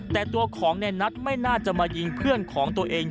แต่ตัวของในนัทไม่น่าจะมายิงเพื่อนของตัวเอง